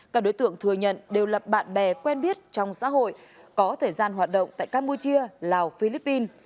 các đối tượng thừa nhận đều là bạn bè quen biết trong xã hội có thời gian hoạt động tại campuchia lào philippines